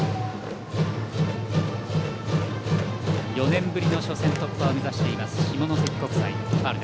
４年ぶりの初戦突破を目指しています下関国際。